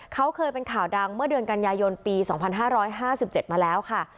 เขาเคยเป็นข่าวดังเมื่อเดือนกันยายนปี๒๕๕๗มาแล้วค่ะ